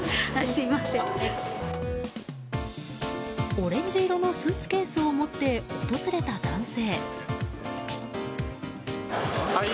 オレンジ色のスーツケースを持って現れた男性。